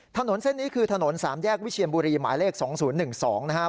ถนนเส้นนี้คือถนน๓แยกวิเชียนบุรีหมายเลข๒๐๑๒นะครับ